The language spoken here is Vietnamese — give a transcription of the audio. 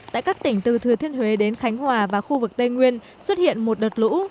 tại các tỉnh từ thừa thiên huế đến khánh hòa và khu vực tây nguyên xuất hiện một đợt lũ